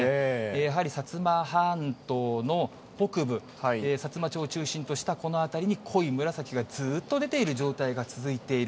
やはり薩摩半島の北部、さつま町を中心としたこの辺りに濃い紫がずっと出ている状態が続いている。